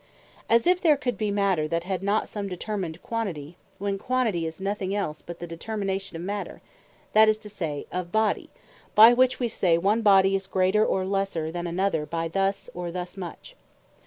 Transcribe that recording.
As if there could be Matter, that had not some determined Quantity; when Quantity is nothing else but the Determination of Matter; that is to say of Body, by which we say one Body is greater, or lesser than another, by thus, or thus much.